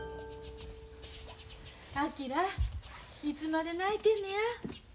昭いつまで泣いてんねや？